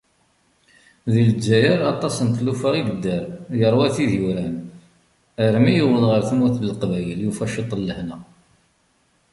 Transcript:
Di lezzayer, aṭas n tlufa i yedder, yeṛwa tid yuran armi yewweḍ ɣer tmurt n Leqbayel, yufa ciṭ n lehna.